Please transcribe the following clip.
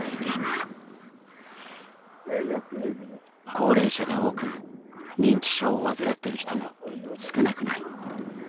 高齢者が多く認知症を患ってる人も少なくない。